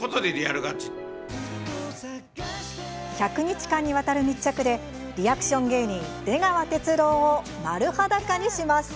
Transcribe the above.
１００日間にわたる密着でリアクション芸人、出川哲朗を丸裸にします。